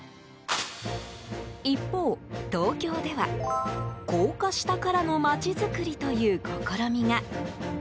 一方、東京では高架下からの街づくりという試みが。